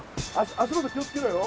足元気を付けろよ。